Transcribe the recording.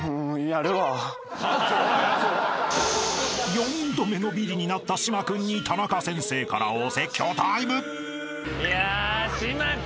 ［４度目のビリになった島君にタナカ先生からお説教タイム］いや島君。